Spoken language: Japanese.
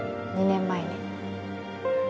２年前に。